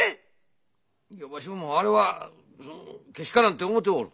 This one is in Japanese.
いやわしもあれはそのけしからんと思うとる。